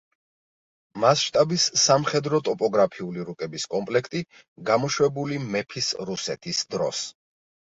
მასშტაბის სამხედრო-ტოპოგრაფიული რუკების კომპლექტი, გამოშვებული მეფის რუსეთის დროს.